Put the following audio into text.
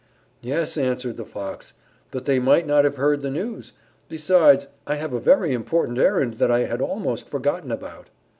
"Yes," answered the Fox. "But they might not have heard the news. Besides, I have a very important errand that I had almost forgotten about."